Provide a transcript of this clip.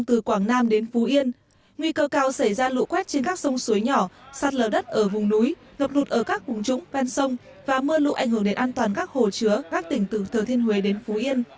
từ quảng nam đến phú yên nguy cơ cao xảy ra lũ quét trên các sông suối nhỏ sạt lở đất ở vùng núi ngập lụt ở các vùng trũng ven sông và mưa lũ ảnh hưởng đến an toàn các hồ chứa các tỉnh từ thừa thiên huế đến phú yên